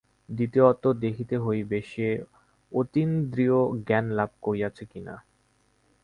দ্বিতীয়ত দেখিতে হইবে, সে অতীন্দ্রিয় জ্ঞান লাভ করিয়াছে কিনা।